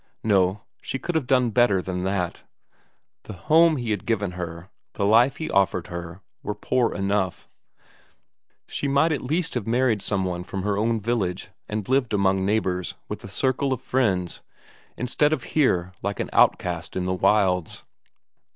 No, she could have done better than that! The home he had given her, the life he offered her, were poor enough; she might at least have married some one from her own village, and lived among neighbours, with a circle of friends, instead of here like an outcast in the wilds.